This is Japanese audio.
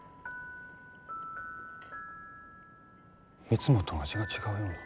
いつもとは味が違うような。